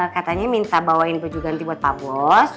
katanya minta bawain baju ganti buat pak bos